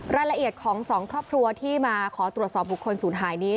รายละเอียดของสองครอบครัวที่มาขอตรวจสอบบุคคลศูนย์หายนี้